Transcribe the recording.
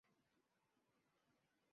在今海南省海口市。